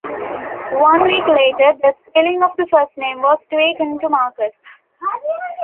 One week later, the spelling of the first name was tweaked to Marcus.